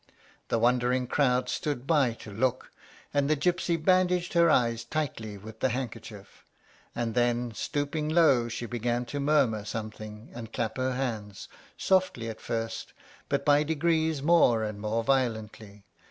The wondering crowd stood by to look, and the gypsy bandaged her eyes tightly with the handkerchief; and then, stooping low, she began to murmur something and clap her hands softly at first, but by degrees more and more violently.